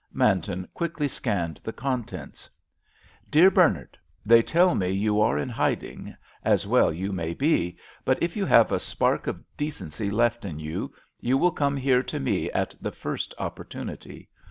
Manton quickly scanned the contents. "_Dear Bernard,—They tell me you are in hiding, as well you may be, but if you have a spark of decency left in you, you will come here to me at the first opportunity.